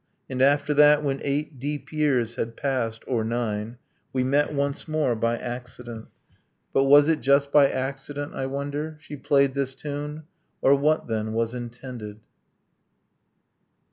. And after that, when eight deep years had passed Or nine we met once more, by accident ... But was it just by accident, I wonder, She played this tune? Or what, then, was intended?